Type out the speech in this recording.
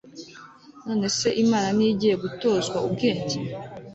none se, imana ni yo igiye gutozwa ubwenge